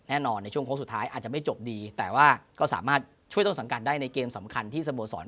ในช่วงโค้งสุดท้ายอาจจะไม่จบดีแต่ว่าก็สามารถช่วยต้นสังกัดได้ในเกมสำคัญที่สโมสร